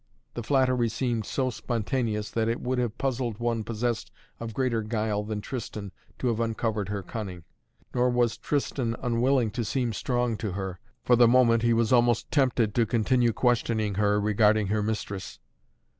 The flattery seemed so spontaneous that it would have puzzled one possessed of greater guile than Tristan to have uncovered her cunning. Nor was Tristan unwilling to seem strong to her; for the moment he was almost tempted to continue questioning her regarding her mistress.